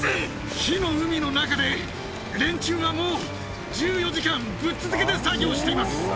火の海の中で、連中はもう１４時間ぶっ続けで作業しています。